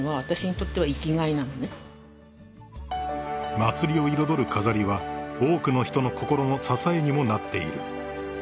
［祭りを彩る飾りは多くの人の心の支えにもなっている］